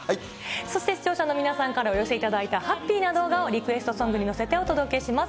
そして視聴者の皆さんからお寄せいただいたハッピーな動画をリクエストソングに乗せて、お届けします。